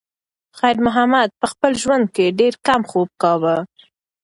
خیر محمد په خپل ژوند کې ډېر کم خوب کاوه.